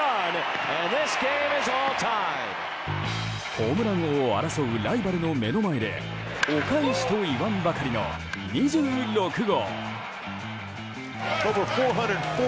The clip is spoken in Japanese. ホームラン王を争うライバルの目の前でお返しと言わんばかりの２６号。